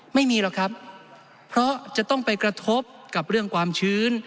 ไม่มีหรอกครับเพราะจะต้องไปกระทบกับเรื่องความชื้น